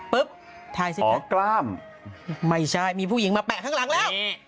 ปุ๊บถ่ายซิอ๋อกล้ามไม่ใช่มีผู้หญิงมาแปะทั้งหลังแล้ว